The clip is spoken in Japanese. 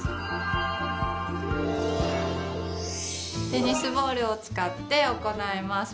テニスボールを使って行います。